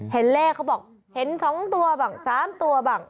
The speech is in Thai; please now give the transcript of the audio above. เห็นเลขเขาบอกเห็น๒ตัวบ้าง๓ตัวบ้าง